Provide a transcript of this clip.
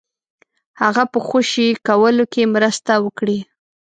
هغه په خوشي کولو کې مرسته وکړي.